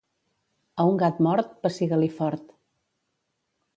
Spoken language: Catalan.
A un gat mort, pessiga-li fort.